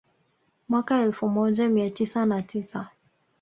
Mwaka elfu moja mia tisa na tisa